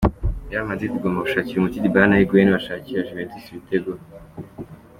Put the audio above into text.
Real Madrid igomba gushakira umuti Dybala na Huguain bashakira Juventus ibitego.